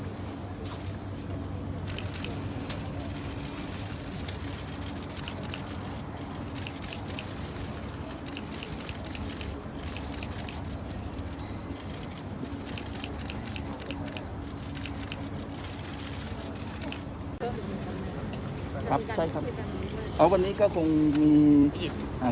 สวัสดีครับครับใช่ครับเอ่อวันนี้ก็คงอืมอ่า